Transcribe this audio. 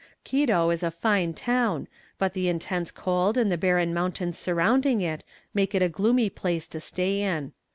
Quito is a fine town, but the intense cold and the barren mountains surrounding it make it a gloomy place to stay in.